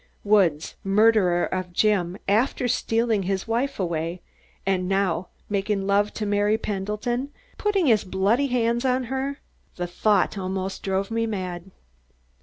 Woods murderer of Jim, after stealing his wife away, and now making love to Mary Pendleton, putting his bloody hands on her! The thought almost drove me mad.